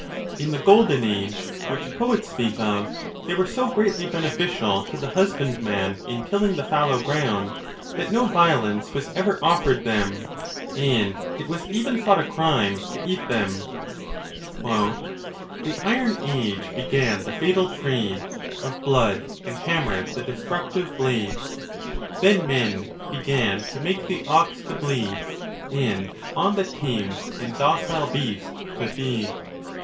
In the Golden Age, which poets speak of, they were so greatly beneficial to the husbandman in tilling the fallow ground that no violence was ever offered them, and it was even thought a crime to eat them : The Iron Age began the fatal trade Of blood, and hammei 'd the destructive blade; Then men began to make the ox to bleed, And on the tamed and docile beast to feed.